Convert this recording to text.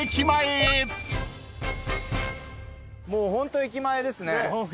もうホント駅前ですね。